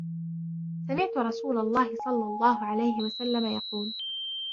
سَمِعْت رَسُولَ اللَّهِ صَلَّى اللَّهُ عَلَيْهِ وَسَلَّمَ يَقُولُ